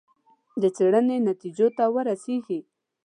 د څېړنې نتیجو ته ورسېږي.